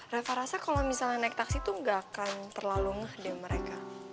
reva rasa kalau misalnya naik taksi tuh gak akan terlalu ngeh deh mereka